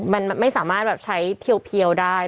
มันไม่สามารถแบบใช้เพียวได้